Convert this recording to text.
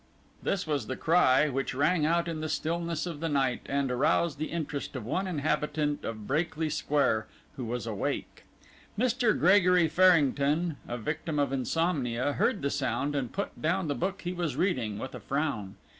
This was the cry which rang out in the stillness of the night, and aroused the interest of one inhabitant of Brakely Square who was awake. Mr. Gregory Farrington, a victim of insomnia, heard the sound, and put down the book he was reading, with a frown.